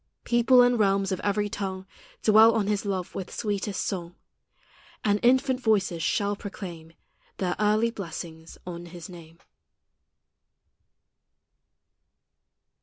People and realms of every tongue Dwell on His love with sweetest song, And infant voices shall proclaim Their early blessings on His name.